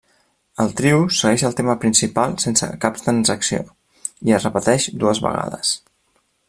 El trio segueix el tema principal sense cap transacció, i es repeteix dues vegades.